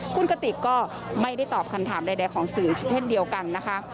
คุณกติกก็ไม่ได้ตอบคำถามใดของสื่อเช่นเดียวกันนะคะ